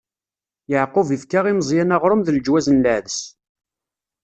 Yeɛqub ifka i Meẓyan aɣrum d leǧwaz n leɛdes.